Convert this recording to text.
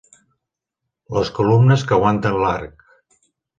Les columnes que aguanten l'arc.